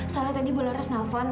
soalnya tadi bularas nelfon